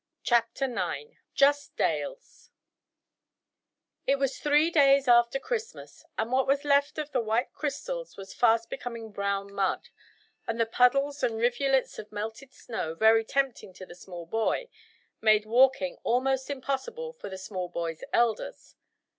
CHAPTER IX JUST DALES It was three days after Christmas, and what was left of the white crystals was fast becoming brown mud, and the puddles and rivulets of melted snow, very tempting to the small boy, made walking almost impossible for the small boy's elders.